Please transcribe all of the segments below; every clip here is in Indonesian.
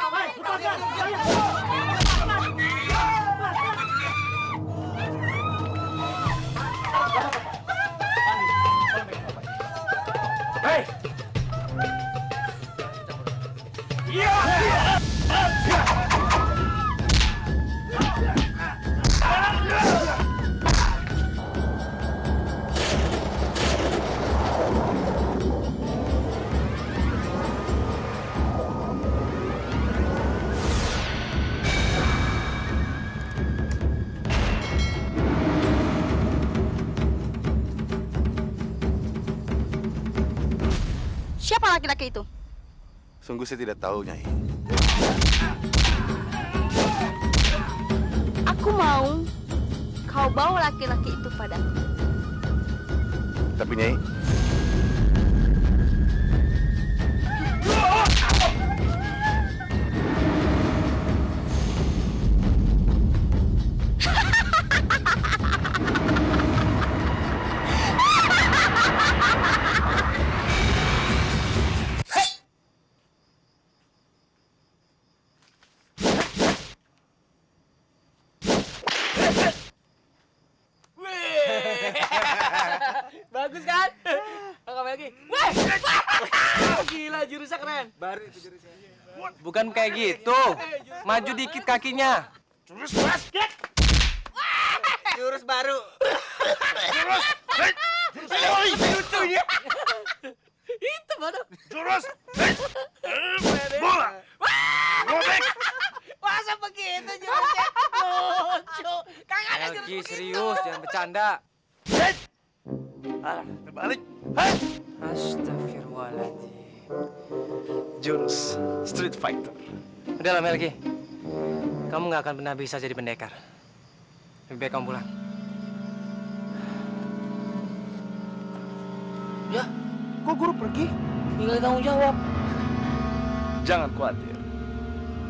mungkin dia bisa bersedia tidak menerima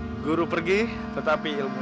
upati dari warga